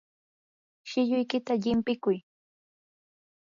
shilluykita llimpikuy.